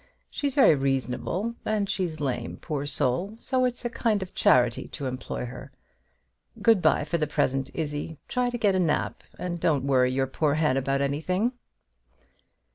She's very reasonable; and she's lame, poor soul; so it's a kind of charity to employ her. Good bye for the present, Izzie; try to get a nap, and don't worry your poor head about anything."